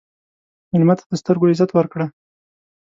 مېلمه ته د سترګو عزت ورکړه.